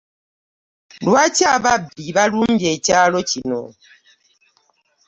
Lwaki ababbi balumbye ekyalo kino?